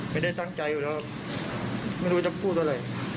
ไม่ได้ตั้งใจอยู่แล้วไม่รู้จะพูดเมื่อไหร่